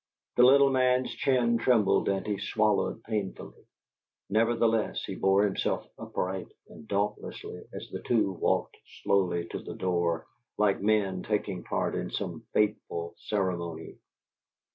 The little man's chin trembled and he swallowed painfully; nevertheless he bore himself upright and dauntlessly as the two walked slowly to the door, like men taking part in some fateful ceremony.